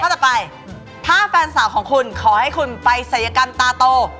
ถ้าจะไปถ้าแฟนสาวของคุณขอให้คุณไปสายการตาโต